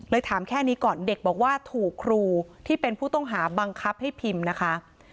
ถามแค่นี้ก่อนเด็กบอกว่าถูกครูที่เป็นผู้ต้องหาบังคับให้พิมพ์นะคะ